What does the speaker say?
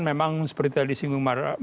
memang seperti tadi singgung